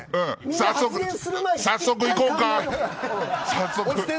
早速いこうか。